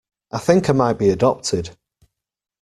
I think I might be adopted.